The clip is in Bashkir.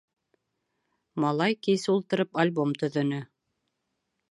Малай, кис ултырып, альбом төҙөнө.